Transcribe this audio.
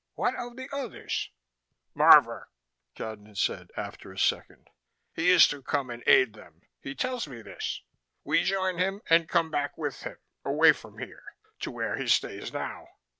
What of the others?" "Marvor," Cadnan said after a second. "He is to come and aid them. He tells me this. We join him and come back with him, away from here, to where he stays now.